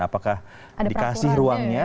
apakah dikasih ruangnya